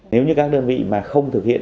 nếu như các đơn vị mà không thực hiện